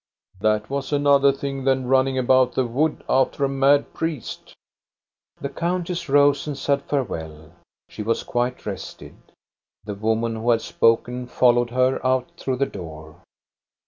" That was another thing than running about the wood after a mad priest." The countess rose and said farewell. She was quite rested. The woman who had spoken followed her out through the door.